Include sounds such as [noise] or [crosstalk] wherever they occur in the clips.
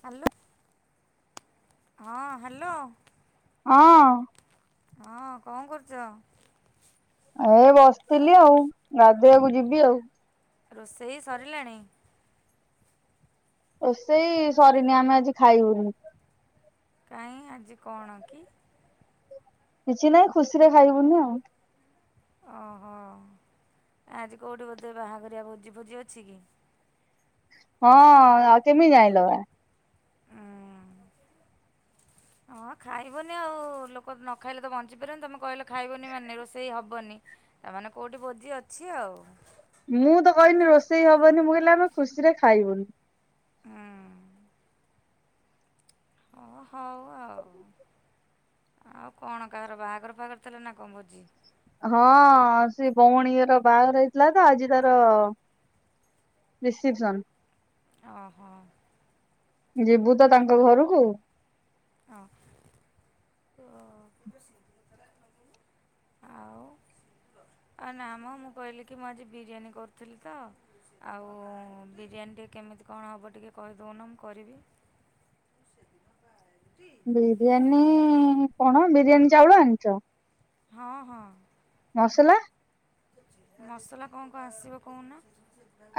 Hello ହଁ hello. ହଁ। ହଁ କଣ କରୁଚ? ଏ ବସିଥିଲି ଆଉ, ଗାଧୋଇବାକୁ ଯିବି ଆଉ। ରୋଷେଇ ସରିଲାଣି? ରୋସେଇ ସରିନି ଆମେ ଆଜି ଖାଇବୁନି। କାହିଁ ଆଜି କଣ କି? କିଛି ନାଇଁ ଖୁସି ରେ ଖାଇବୁନି ଆଉ। ଓହୋ ଆଜି କୋଉଠି ବୋଧେ ବାହାଘର ଭୋଜି ଭୋଜି ଅଛି କି? ହଁ ଆଉ କେମିତି ଜାଣିଲ ବା? ହଁ। ହଁ ଖାଇବନି ଆଉ ଲୋକ ନ ଖାଇଲେ ତ ବଞ୍ଚିପାରିବନି, ତମେ କହିଲ ଖାଇବନି ମାନେ ରୋଷେଇ ହବନି ତାମାନେ କୋଉଠି ଭୋଜି ଅଛି ଆଉ। ମୁଁ ତ କହିଲି ରୋଷେଇ ହବନି ମୁଁ କହିଲି ଆମେ ଖୁସିରେ ଖାଇବୁନି। ହୁଁ ଓ ହଉ ଆଉ। ଆଉ କଣ କାହାର ବାହାଘର ଫଘର ଥିଲା ନା କଣ ଭୋଜି ହଁ ସେ ଭଉଣୀର ବାହାଘର ହେଇଥିଲା ତ ଆଜି ତାର ହବ୍। ରିସେପ୍ସନ। ଓହୋ। ଯିବୁ ତ ତାଙ୍କ ଘରକୁ। ହଁ ତ [unintelligible] ଆ ନା ମ ମୁଁ କହିଲି କି ମୁଁ ଆଜି ବିରିୟାନୀ କରୁଥିଲି ତ। ଆଉ ବିରିୟାନୀ ଟିକେ କେମିତି କଣ ହେବ ଟିକେ କହିଦେଉନ ମୁଁ କରିବି। ଜି। ବିରିୟାନୀ କଣ ବିରିୟାନୀ ଚାଉଳ ଆଣିଚ? ହଁ ହଁ। ମସଲା। ମସଲା କଁ କଁ ଆସିବ କହୁନ?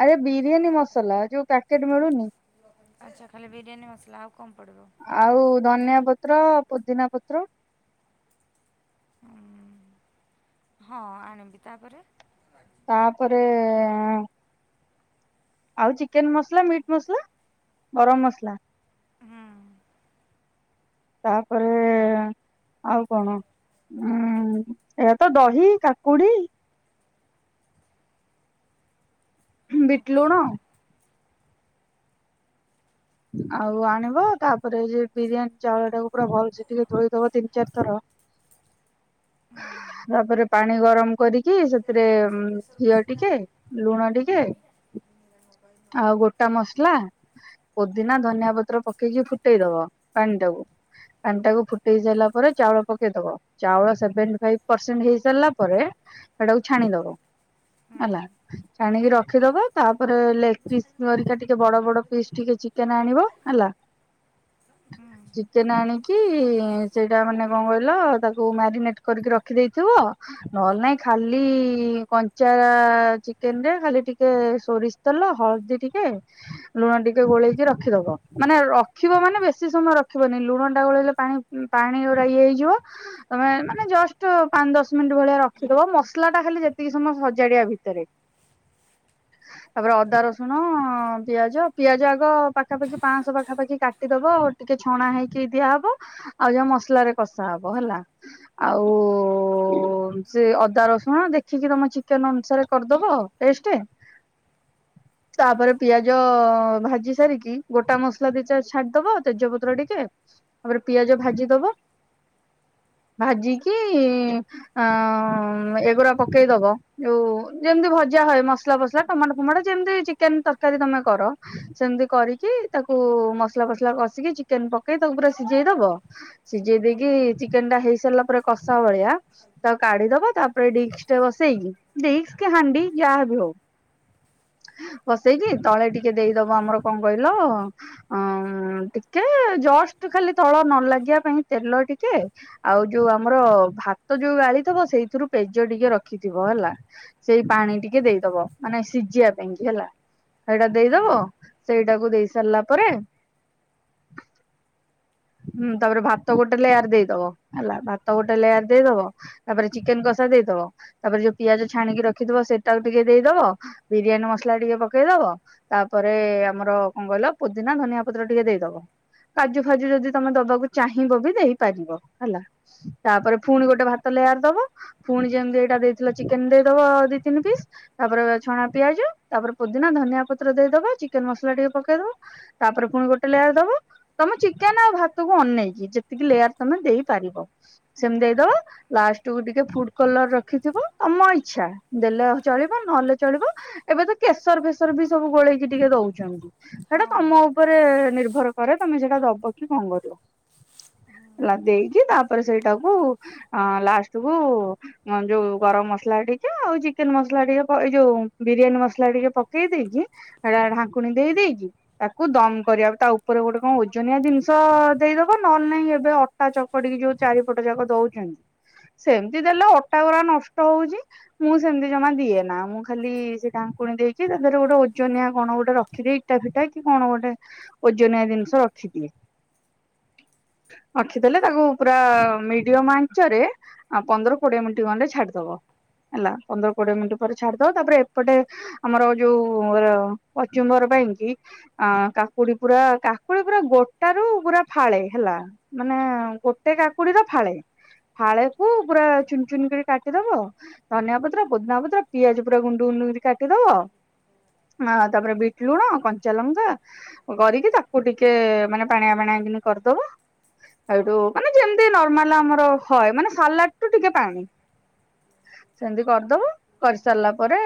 ଆରେ ବିରିୟାନୀ ମସଲା ଯୋଉ ପ୍ୟାକେଟ ମିଳୁନି। ଆଚ୍ଛା ଖାଲି ବିରିୟାନୀ ମସଲା ଆଉ କଁ ପଡ଼ିବ? ଆଉ ଧନିଆ ପତ୍ର, ପୋଦିନା ପତ୍ର। ହୁଁ ହଁ ଆଣିବି, ତାପରେ ତାପରେ ଆଉ ଚିକେନ ମସଲା, ମିଟ୍ ମସଲା, ଗରମ ମସଲା। ହୁଁ। ତାପରେ ଆଉ କଣ ଉଁ ଏୟା ତ ଦହି କାକୁଡି ବିଟ୍ ଲୁଣ। ଆଉ ଆଣିବ ତାପ ପରେଏ ବିରିୟାନୀ ଚାଉଳ ଟାକୁ ପୁରା ଭଲ ସେ ଟିକେ ଧୋଇଦବ ତିନ ଚାରି ଥର। ତାପରେ ପାଣି ଗରମ କରି କି ସେଥିରେ ଘିଅ ଟିକେ ଲୁଣ ଟିକେ ଆଉ ଗୋ ଟା ମସଲା ପୋଦିନା ଧନିଆ ପତ୍ର ପକେଇକି ଫୁଟେଇ ଦବ ପାଣି ଟାକୁ। ପାଣି ଟାକୁ ଫୁଟେଇ ସାଇଲା ପରେ ଚାଉଳ ପକେଇଦବ। ଚାଉଳ ସେଭେନଟିଫାଇପ୍ ପରସେଣ୍ଟ ହେଇସାରିଲା ପରେ ସେଟାକୁ ଛାଣିଦବ। ହୁଁ ହେଲା ଛାଣିକି ରଖିଦବ ତାପରେ ଲେଗ ପିସ୍ ହରିକା ଟିକେ ବଡ ବଡ ପିସ୍ ଟିକେ ଚିକେନ ଆଣିବ ହେଲା ହୁଁ। ଚିକେନ ଆଣିକି ସେଇଟା ମାନେ କଁ କହିଲ ତାକୁ ମ୍ୟାରିନେଟ କରିକି ରଖିଦେଇଥିବ। ନହେଲେ ନାଇଁ ଖାଲି କଞ୍ଚା ଚିକେନ ରେ ଖାଲି ଟିକେ ସୋରିଷ ତେଲ ହଳଦୀ ଟିକେ ଲୁଣ ଟିକେ ଗୋଳେଇକି ରଖିଦବ ମାନେ ରଖିବ ମାନେ ବେଶି ସମୟ ରଖିବନି ଲୁଣ ଟା ଗୋଳେଇଲେ ପାଣି ପାଣି ଉରା ଇଏ ହେଇଯିବ। ତମେ ମାନେ ଜଷ୍ଟ ପାଞ୍ଚ ଦଶ ମିନିଟ୍ ଭଳିଆ ରଖିଦବ ମସଲା ଟା ଖାଲି ଯେତିକି ସମୟ ସଜାଡିବା ଭିତରେ ତାପରେ ଅଦା ରସୁଣ ପିଆଜ ପିଆଜ ଆଗ ପାଖାପାଖି ପାଁଶହ ପାଖାପାଖି କାଟିଦବ ଆଉ ଟିକେ ଛଣା ହେଇକି ଦିଆହବ ଆଉ ଯାହା ମସଲାରେ କଷା ହବ ହେଲା। ଆଉ ସେ ଅଦା ରସୁଣ ଦେଖିକି ତମେ ଚିକେନ ଅନୁସାରେ କରିଦବ ପେଷ୍ଟ ତାପରେ ପିଆଜ ଭାଜି ସାରିକି ଗୋଟା ମସଲା ଦିଟା ଛାଡିଦବ ତେଜପତ୍ର ଟିକେ ତାପରେ ପିଆଜ ଭାଜି ଦବ ଭାଜିକି ଅ ଏଗୁରା ପକେଇ ଦବ ଯଉ ଯେମିତି ଭଜା ହୁଏ ମସଲା ଫସଲା ଟମାଟ ଫମାଟ ଯେମିତି ଚିକେନ ତରକାରୀ ତମ କର ସେମିତି କରିକି ତାକୁ ମସଲା ଫସଲା କଷିକି ଚିକେନ ପକେଇ ତାକୁ ପୁରା ସିଜେଇ ଦବ। ସିଜେଇ ଦେଇକି ଚିକେନ ଟା ହେଇ ସାରିଲା ପରେ କଷା ଭଳିଆ ତାକୁ କାଢିଦବ ତାପରେ ଡିକ୍ସ ବସେଇକି ଡିକ୍ସ, ହାଣ୍ଡି ଯାହାବି ହଉ ବସେଇକି ତଳେ ଟି ଟିକେ ଦେଇଦବ ଆମର କଁ କଇଲ ଅ ଟିକେ ଜଷ୍ଟ ଖାଲି ତଳ ନ ଲାଗିବା ପାଇଁ ତେଲ ଟିକେ ଆଉ ଯୋଉ ଆମର ଭାତ ଯୋଉ ଗାଳିଥିବ ସେଇଥିରୁ ପେଜ ଟିକେ ରଖିଥିବ ହେଲା। ସେଇ ପାଣି ଟିକେ ଦେଇଦବ ମାନେ ସିଝିବା ପାଇଁ କି ହେଲା। ସେଇଟା ଦେଇଦବ ସେଇଟାକୁ ଦେଇ ସାରିଲା ପରେ ହୁଁ ତାପରେ ଭାତ ଗୋଟେ ଲେୟାର ଦେଇଦବ ହେଲା ଭାତ ଗୋଟେ ଲେୟାର ଦେଇଦବ ତାପରେ ଚିକେନ କଷା ଦେଇଦବ। ତାପରେ ଯୋଉ ପିଆଜ ଛାଣିକି ରଖିଥିବ ସେଟାକୁ ଟିକେ ଦେଇଦବ ବିରିୟାନୀ ମସଲା ଟିକେ ପକେଇଦବ। ତାପରେ ଆମର କଣ କହିଲ ପୁଦିନା ଧନିଆ ପତ୍ର ଟିକେ ଦେଇଦବ। କାଜୁ ଫାଜୁ ଯଦି ତମେ ଦବାକୁ ଚାହିଁବ ବି ଦେଇପାରିବ ହେଲା। ତାପରେ ପୁଣି ଗୋଟେ ଭାତ ଲେୟାର ଦବ ପୁଣି ଯେମିତି ଏଇଟା ଦେଇଥିଲ ଚିକେନ ଦେଇଦବ ଦି ତିନି ପିସ୍। ତାପରେ ଛଣା ପିଆଜ ତାପରେ ପୁଦିିନା ଧନିଆ ପତ୍ର ଦେଇଦବା ଚିକେନ ମସଲା ଟିକେ ପକେଇଦବା ତାପରେ ପୁଣି ଗୋଟେ ଲେୟାର ଦବ। ତମେ ଚିକେନ ଆଉ ଭାତକୁ ଅନେଇକି ଯେତିକି ଲେୟାର ତମେ ଦେଇପାରିବ। ସେମିତି ଦେଇଦବ ଲାଷ୍ଟ କୁ ଟିକେ ଫୁଡ କଲର ରଖିଥିବ ତମ ଇଚ୍ଛା। ଦେଲେ ଚଳିବ ନହେଲେ ଚଳିବ ଏବେ ତ କେଶର ଫେସର ବି ସବୁ ଗୋଳେଇକି ଟିକେ ଦଉଛନ୍ତି ସେଇଟା ହଁ ତମ ହଁ ଉପରେ ନିର୍ଭର କରେ ତମେ ସେଟା ଦବ କି କଣ କରିବ। ହେଲା ଦେଇକି ତାପରେ ସେଇଟାକୁ ଲାଷ୍ଟ କୁ ଯୋଉ ଗରମ ମସଲା ଟିକେ ଆଉ ଚିକେନ ମସଲା ଟିକେ ଏଇ ଯୋଉ ବିରିୟାନୀ ମସଲା ଟିକେ ପକେଇ ଦେଇକି ଟ ଢାଙ୍କୁଣିୀ ଦେଇ ଦେଇକି ତାକୁ ଦମ କରିବା ତା ଉପରେ ଗୋଟେ କଣ ଓଜନିଆ ଜିନିଷ। ତ ଦେଇଦବ ନହେଲେହିଁ ଏବେ ଅଟା ଚକଡିକି ଯୋଉ ଚାରିପଟ ଯାକ ଦଉଛନ୍ତି। ସେମିତି ଦେଲେ ଅଟାଗରା ନଷ୍ଟ ହଉଛି। ମୁଁ ସେମିତି ଜମା ଦିଏ ନା ମୁଁ ଖାଲି ସେ ଢାଙ୍କୁଣୀ ଦେଇକି ତା ଦେରେ ଗୋଟେ ଓଜନିଆ କଣ ଗୋଟେ ରଖିଦେଇକି ଇଟା ଫିଟା କି କଣ ଗୋଟେ ଓଜନିଆ ଜିନିଷ ରଖିଦିଏ। ରଖିଦେଲେ ତାକୁ ପୁରା ମିଡିୟମ ଆଞ୍ଚରେ। ପନ୍ଦର କୋଡିଏ ମିନିଟ୍ ଖଣ୍ଡେ ଛାଡିଦବ। ହେଲା ପନ୍ଦର କୋଡିଏ ମିନିଟ୍ ପରେ ଛାଡିଦବା ତାପରେ ଏପଟେ ଆମର ଯୋଉ। କଚୁମ୍ବର ପାଇଁ କି। ଅ କାକୁଡି ପୁରା କାକୁଡି ପୁରା ଗୋଟା ରୁ ପୁରା ଫାଳେ ହେଲା। ମାନେ ଗୋଟେ କାକୁଡିର ଫାଳେ। ଫାଳକୁ ପୁରା ଚୁନ ଚୁନ କରି କାଟିଦବ। ଧନିଆ ପତ୍ର ପଦନା ପତ୍ର ପିଆଜ ପୁରା ଗୁଣ୍ଡୁ ଗୁଣ୍ଡୁ କାଟିଦବ। ଆ ତାପରେ ବିଟ୍ ଲୁଣ କଞ୍ଚା ଲଙ୍କା। କରିକି ତାକୁ ଟିକେ ମାନେ ପାଣିଆ ପାଣି କି କରିଦବା। ଏଇଠୁ ମାନେ ଯେମତି ନର୍ମାଲ ଆମର ହଏ ମାନେ ସାଲାଡଠୁ ଟିକେ ପାଣି। ସେମିତି କରିଦବ କରିସାରିଲା ପରେ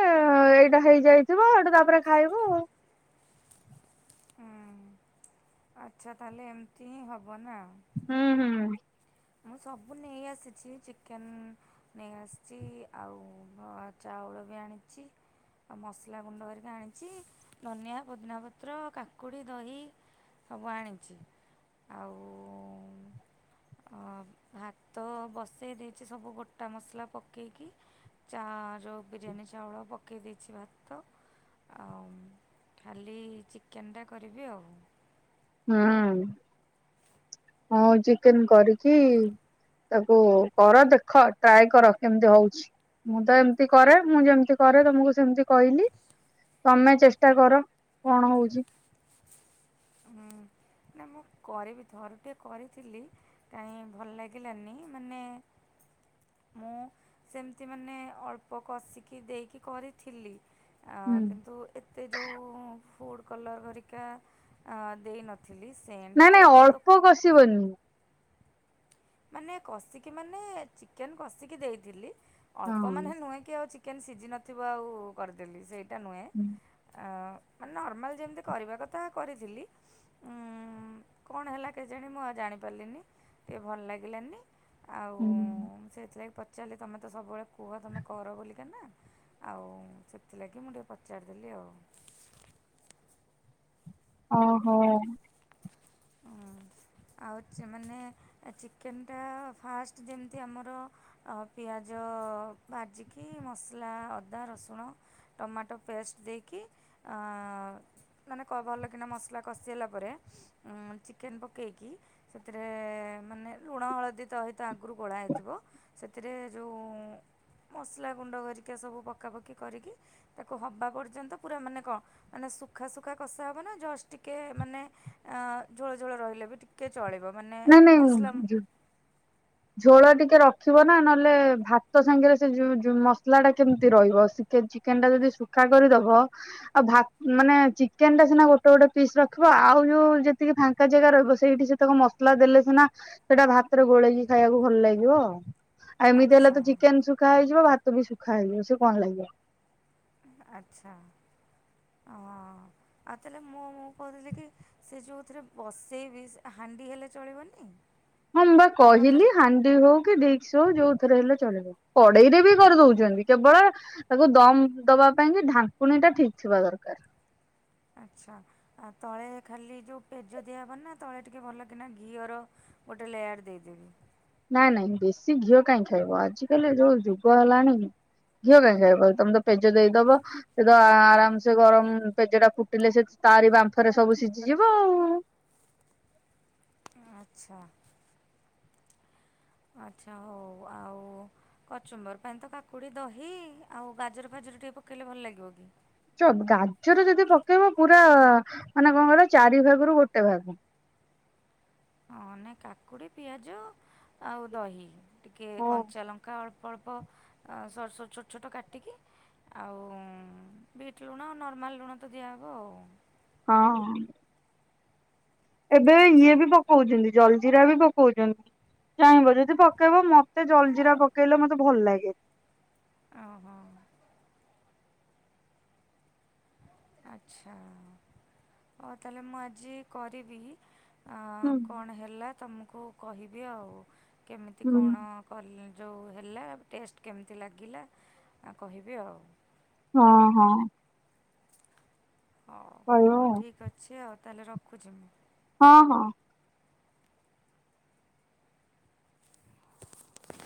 ଏଇଟା ହେଇଯାଇଥିବ ଆଇଠୁ ତାପରେ ଖାଇବୁ। ହ ଆଚ୍ଛା ତାହେଲେ ଏମିତି ହିଁ ହେବ ନା। ହୁଁ ହୁଁ ମୁଁ ସବୁ ନେଇ ଆସିଛି ଚିକେନ ନେଇ ଆସିଛି ଆଉ ଚାଉଳ ବି ଆଣିଛି। ଆଉ ମସଲା ଗୁଣ୍ଡ କରିକି ଆଣିଛି ଧନିଆ ପୋଦିନା ପତ୍ର କାକୁଡ଼ି ଦହି। ସବୁ ଆଣିଛି ଆଉ ଭାତ ବସେଇ ଦେଇଛି ସବୁ ଗୋଟା ମସଲା ପକେଇକି। ଚା ରଉ ବିରିୟାନୀ ଚାଉଳ ପକାଇ ଦେଇଛି ଭାତ। ଆଉ ଖାଲି ଚିକେନ ଟା କରିବି ଆଉ। ହୁଁ ହଁ ଚିକେନ୍ କରିଚି। ତାକୁ କର ଦେଖ ଟ୍ରାଏ କର କେମିତି ହଉଚି। ମୁଁ ତ ଏମିତି କରେ। ମୁଁ ଯେମିତି କରେ ତମକୁ ସେମତି କହିଲି। ତମେ ଚେଷ୍ଟା କର କଣ ହଉଚି। ହୁଁ। ନା ମୁଁ କରିବି। ଥରୁଟିଏ କରିଥିଲି କାହିଁ ଭଲ ଲାଗିଲାନି। ମାନେ ମୁଁ ସେମିତି ମାନେ ଅଳ୍ପ କଷିକି ଦେଇକି କରିଥିଲି। ଆ ହୁଁ କିନ୍ତୁ ଏତେ ଯୋଉ ଫୁଡ଼୍ କଲର୍ ହେରିକା ଆ ଦେଇନ ଥିଲି ନାଇଁ ସେମତି ତ ନାଇଁ ଦୋକା [unintelligible] ମାନେ କଷିକି ମାନେ ଚିକେନ୍ କଷିକି ଦେଇଥିଲି। ଅଳ୍ପ ମାନେ ହଁ ନୁହେଁ କି ଆଉ ଚି ଚିକେନ୍ ସିଝିନଥିବ ଆଉ କରିଦେଲି ସେଇଟା ନୁହେଁ। ଆ ମାନେ ନର୍ମାଲ ଯେମିତି କରିବା କଥା କରିଥିଲି। ଉଁ କଣ ହେଲା କେଜାଣି ମୁଁ ଆଉ ଜାଣି ପାରିଲିନି। ଟିକେ ଭଲ ଲାଗି ଲାନି ଆଉ ହୁଁ ସେଇଥିଲାଗି ପ ଚାରିଲି ତୁମେ ତ ସବୁବେଳେ କୁହ ତୁମେ କର ବୋଲିକାନା। ଆଉ ସେଥିଲାଗି ମୁଁ ଟିକେ ପଚାରିଦେଲି ଆଉ। ଓହୋ। [unintelligible] ଆଉ ଚେ ମାନେ ଚିକେନ୍ ଟା ଫାଷ୍ଟ ଯେମିତି ଆମର ଆଉ ପିଆଜ ଭାଜିକି ମସଲା ଅଦା, ରସୁଣ ଟମାଟୋ ପେଷ୍ଟ ଦେଇକି ଆ ମାନେ କ ଭଲ କିନା ମସଲା କଷି ହେଲା ପରେ ଉଁ ଚିକେନ୍ ପକେଇକି ସେଥିରେ ମାନେ ଲୁଣ ହଳଦୀ ଦହି ତା ଆଗରୁ ଗୋଳା ହେଇଥିବ। ସେଥିରେ ଯୋଉ ମସଲା ଗୁଣ୍ଡ ହରିକା ସବୁ ପକାପକି କରିକି ତାକୁ ହବା ପର୍ଯ୍ୟନ୍ତ ପୁରା ମାନେ କଣ ମାନେ ସୁଖା ସୁୁଖା କଷା ହବ ନା ଜଷ୍ଟ ଟିକେ ମାନେ ଝୋଳ ଝୋଳ ରହିଲେ ବି ଟିକେ ଚଳିବ। ମାନେ ନାଇଁ ମସଲା ନାଇଁ ଝୋଳ ଟିକେ ରଖିବ ନା ନହେଲେ ଭାତ ସାଙ୍ଗରେ ସେ ମସଲା ଟା କେମିତି ରହିବ। ଚିକେନ୍ ଟା ଯଦି ଶୁଖା କରିଦବ ଆଉ ଭା ମାନେ ଚିକେନ୍ ଟା ସିନା ଗୋଟେ ଗୋଟେ ପିସ୍ ରଖିବ ଆଉ ଯୋଉ ଯେତିକି ଫା ଙ୍କା ଜାଗା ରହିବ ସେଇଠି ସେ ତାକୁ ମସଲା ଦେଲେ ସିନା ସେଇଟା ଭାତରେ ଗୋଳେଇକି ଖାଇବାକୁ ଭଲ ଲାଗିବ। ଆଉ ଏମିତି ହେଲେ ଆଚ୍ଛା ତ ଚିକେନ ଶୁଖା ହେଇଯିବ ଭା ତ ବି ସୁଖା ହେଇ ଯିବ ସେ କଣ ଲାଗିବ। ଆଚ୍ଛା ହଁ। ଆଉ ତାହେଲେ ମୁଁ ମୁଁ କହୁଥିଲି କି ସେ ଯୋଉଥିରେ ବସେଇବି ହାଣ୍ଡି ହେଲେ ଚଳିବନି? ହଁ ମୁଁ ବା ମୋ ପାଖରେ କହିଲି ହା ଣ୍ଡି ହଉ କି ଡିସ୍କ ହଉ ଯୋଉଥିରେ ହେଲେ ଚଳିବ। କଢେଇ ରେ ବି କରିଦେଉଛନ୍ତି। କେବଳ ତାକୁ ଦମ୍ ଦବା ପାଇଁ କି ଢାଙ୍କୁଣୀ ଟା ଠିକ୍ ଥିବା ଦରକାର। ଆଚ୍ଛା। ଆଉ ତଳେ ଖାଲି ଯୋଉ ପେଜ ଦିଆହବ ନା, ତଳେ ଟିକେ ଭଲ କିନା ଘିଅର ଗୋଟେ ଲେୟାର ଦେଇଦେବି? ନାଇଁ ନାଇଁ ବେଶୀ ଘିଅ କାଇଁ ଖାଇବ। ଆଜି କାଲି ଯୋଉ ଯୁଗ ହେଲାଣି। ଘିଅ କାହିଁ ଖାଇବ, ତମେ ତ ପେଜ ଦେଇଦବ। ସେ ତ ଆରାମସେ ଗରମ ପେଜ ଟା ଫୁଟିଲେ ସେ ତାରି ବାମ୍ଫରେ ସବୁ ସିଝିଯିବ ଆଉ। ଆଚ୍ଛା। ଆଚ୍ଛା ହଉ ଆଉ କଚୁମର ପାଇଁ ତ କାକୁଡି ଦହି ଆଉ ଗାଜର ଫାଜର ଟିକେ ପକେଇଲେ ଭଲ ଲାଗିବ କି? ଚ ଗାଜର ଯଦି ପକେଇବ ପୁରା ମାନେ କଣକହିଲ ଚାରି ଭାଗରୁ ଗୋଟେ ଭାଗ। ହଁ ନେ କାକୁଡ଼ି ପିଆଜ ଆଉ ଦହି ଟିକେ ହଁ। କଞ୍ଚା ଲଙ୍କା ଅଳ୍ପ। ଅଳ୍ପ ସରୁ ସରୁ ଛୋଟ ଛୋଟ କାଟିକି ଆଉ ବିଟ୍ ଲୁଣ ନର୍ମାଲ ଲୁଣ ତ ଦିଆହେବ ଆଉ। ହଁ। ଏବେ ଘିଅ ଆଚ୍ଛା ବି ପକଉଚନ୍ତି ଜଲଜିିରା ବି ପକଉଚନ୍ତି। ଚାହିଁବ ଯଦି ପକେଇବ ମତେ ଜଲଜିିରା ପକେଇଲେ ମତେ ଭଲ ଲାଗେନି। ଆଉ ହଁ। ଆଚ୍ଛା ହଉ ତାହେଲେ ମୁଁ ଆଜି କରିବି। ଆ ହୁଁ କଣ ହେଲା ତମୁକୁ କହିବି ଆଉ କେମିତି ହୁଁ। କଣ କଲେ ଯେଉ ହେଲା ଟେଷ୍ଟ କେମିତି ଲାଗିଲା କହିବେ ଆଉ। ହଁ ହଁ। ହଉ କହିବ ହଉ ଠିକ୍ ଅଛି ଆଉ ତାହେଲେ ରଖୁଛି ମୁଁ। ହଁ ହଁ। [unintelligible]